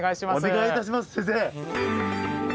お願いいたします先生。